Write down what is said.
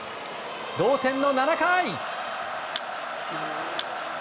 同点の７回。